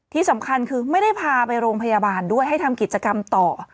ที่สำคัญคือไม่ได้พาไปโรงพยาบาลด้วยให้ทำกิจกรรมต่อ